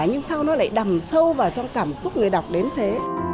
nhưng sau nó lại đầm sâu vào trong cảm xúc người đọc đến thế